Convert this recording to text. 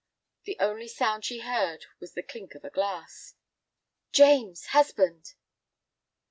The only sound she heard was the clink of a glass. "James, husband!"